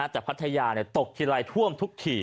แต่พัทยาตกทีไรท่วมทุกขีด